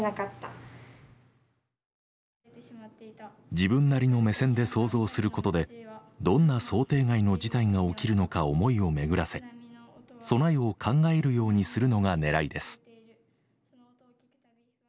自分なりの目線で想像することでどんな想定外の事態が起きるのか思いを巡らせ備えを考えるようにするのがねらいです。